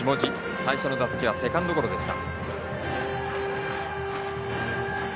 最初の打席はセカンドゴロでした。